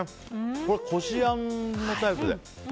こしあんのタイプで。